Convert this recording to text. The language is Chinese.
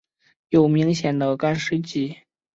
有明显的干湿季。